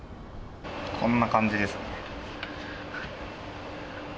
こんな感じですね。